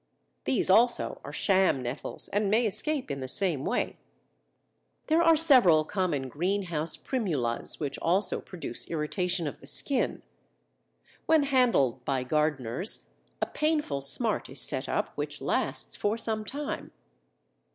These also are sham nettles and may escape in the same way. Flowers, Fruit, and Leaves. There are several common greenhouse Primulas which also produce irritation of the skin. When handled by gardeners a painful smart is set up which lasts for some time.